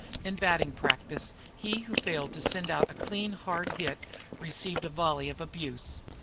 In batting practice he who failed to send out a clean hard hit received a volley of abuse.